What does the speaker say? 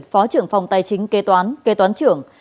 phó trưởng phòng tài chính kế toán kê toán trưởng